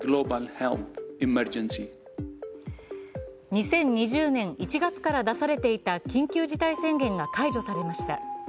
２０２０年１月から出されていた緊急事態宣言が解除されました。